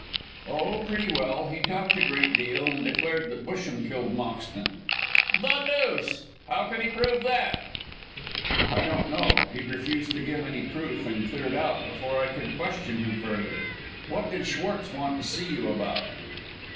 "Oh, pretty well. He talked a great deal, and declared that Busham killed Moxton." "The deuce! How can he prove that?" "I don't know. He refused to give any proof, and cleared out before I could question him further. What did Schwartz want to see you about?"